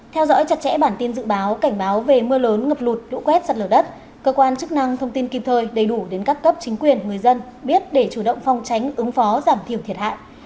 theo dõi chặt chẽ bản tin dự báo cảnh báo về mưa lớn ngập lụt lũ quét sạt lở đất cơ quan chức năng thông tin kịp thời đầy đủ đến các cấp chính quyền người dân biết để chủ động phong tránh ứng phó giảm thiểu thiệt hại